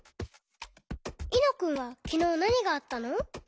いのくんはきのうなにがあったの？